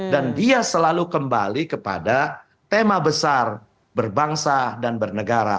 dan dia selalu kembali kepada tema besar berbangsa dan bernegara